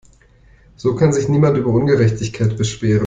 So kann sich niemand über Ungerechtigkeit beschweren.